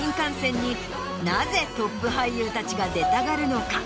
なぜトップ俳優たちが出たがるのか？